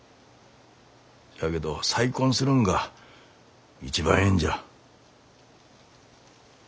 しゃあけど再婚するんが一番ええんじゃ。